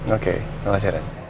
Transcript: oke makasih ren